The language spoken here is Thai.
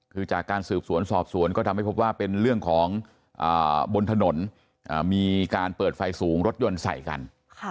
คือจากการสืบสวนสอบสวนก็ทำให้พบว่าเป็นเรื่องของบนถนนมีการเปิดไฟสูงรถยนต์ใส่กัน